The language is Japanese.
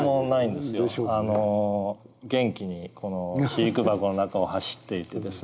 元気にこの飼育箱の中を走っていてですね